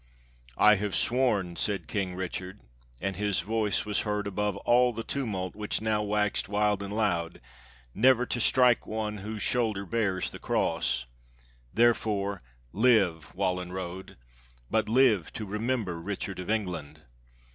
"I have sworn," said King Richard, — and his voice was heard above all the tumult, which now waxed wild and loud, — "never to strike one whose shoulder bears the cross; therefore live, Wallenrode, — but live to remember Richard of England."